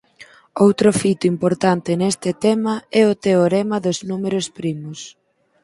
Outro fito importante neste tema é o teorema dos números primos.